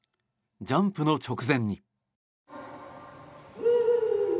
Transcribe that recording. ジャンプの直前に。